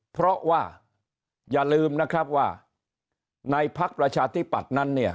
เพราะว่าอย่าลืมนะครับว่าในพักประชาธิปัตย์นั้นเนี่ย